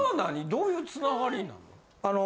どういう繋がりなの？